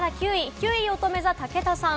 ９位おとめ座・武田さん。